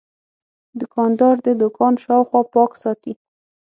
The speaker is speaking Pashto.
دوکاندار د دوکان شاوخوا پاک ساتي.